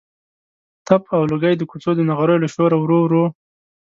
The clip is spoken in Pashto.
تپ او لوګی د کوڅو د نغریو له شوره ورو ورو.